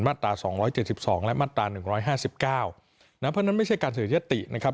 ตรา๒๗๒และมาตรา๑๕๙นะเพราะฉะนั้นไม่ใช่การเสนอยตินะครับ